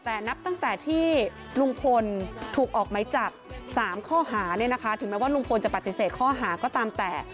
แต่นับตั้งแต่ที่ลุงพลถูกออกไหมจับ๓ข้อหาเนี่ยนะคะถึงแม้ว่าลุงพลจะปฏิเสธข้อหาก็ตามแต่